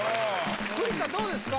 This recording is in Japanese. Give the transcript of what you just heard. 栗田、どうですか？